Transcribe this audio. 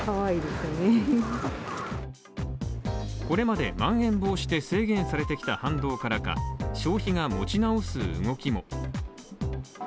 これまでまん延防止で制限されてきた反動からか消費が持ち直す動きも。